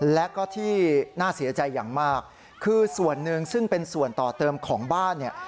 และก็ที่น่าเสียใจอย่างมากคือส่วนหนึ่งซึ่งเป็นส่วนต่อเติมของบ้านเนี่ย